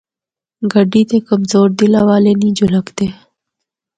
گڈی تے کمزور دلا والے نیں جُل ہکدے۔